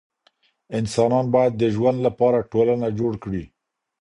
انسانان بايد د ژوند لپاره ټولنه جوړ کړي.